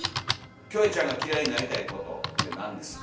キョエちゃんが嫌いになりたいことって何ですか？